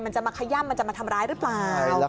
จะมาขย่ำมันจะมาทำร้ายหรือเปล่า